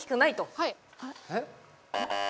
はい。